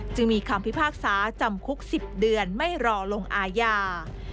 จึงมีคำพิพากษาจำคุก๑๐เดือนไม่รอลงอาญา